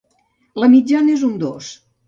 La mitjana és un dos.